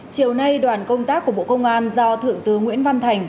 chiều nay đoàn công tác của bộ công an do thượng tướng nguyễn văn thành